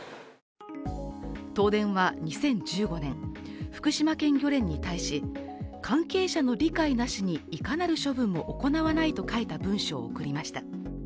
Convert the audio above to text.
東電は２０１５年、福島県漁連に対し、関係者の理解なしにいかなる処分も行わないと書いた文章を送りました。